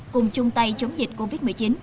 cùng chung tay chống dịch covid một mươi chín